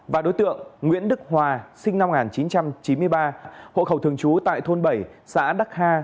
và đối tượng nguyễn đức hòa sinh năm một nghìn chín trăm chín mươi ba hộ khẩu thường trú tại thôn bảy xã đắc ha